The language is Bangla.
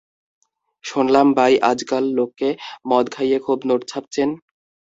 শোনলাম বাই আজকাল লোককে মদ খাইয়ে খুব নোট ছাপছেন।